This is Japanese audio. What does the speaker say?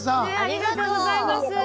ありがとうございます。